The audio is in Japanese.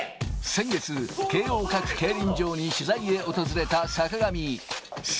先月、京王閣競輪場に取材へ訪れた坂上。